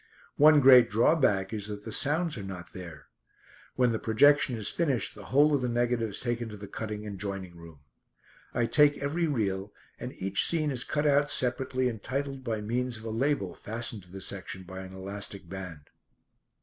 One great drawback is that the sounds are not there! When the projection is finished the whole of the negative is taken to the cutting and joining room. I take every reel, and each scene is cut out separately and titled by means of a label fastened to the section by an elastic band.